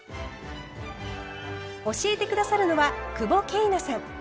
教えて下さるのは久保桂奈さん。